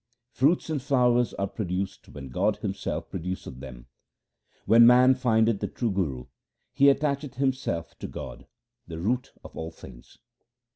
Fruits and flowers are produced when God Himself produceth them. When man findeth the true Guru, he attacheth himself to God, the root of all things.